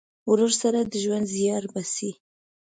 ورور سره د ژوند زیار باسې.